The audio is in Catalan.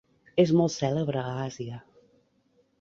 És molt cèlebre a Àsia.